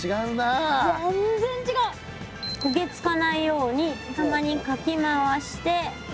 焦げ付かないようにたまにかき回して。